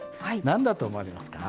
何だと思われますか？